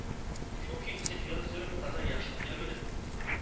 شۇ كېچىسى خىيال سۈرۈپ تازا ياخشى ئۇخلىيالمىدىم.